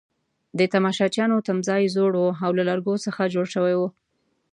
د تماشچیانو تمځای زوړ وو او له لرګو څخه جوړ شوی وو.